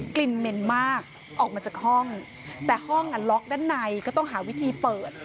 กลิ่นเหม็นมากออกมาจากห้องแต่ห้องอ่ะล็อกด้านในก็ต้องหาวิธีเปิด